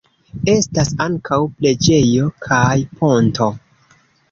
Estas ankaŭ preĝejo kaj ponto.